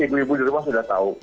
ibu ibu di rumah sudah tahu